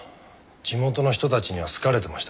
地元の人たちには好かれてましたけどね。